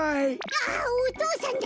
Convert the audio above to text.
あっお父さんだ！